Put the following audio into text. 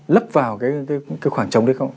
lấp vào cái khoảng trống đấy không